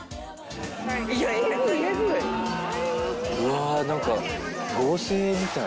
うわあなんか合成みたい。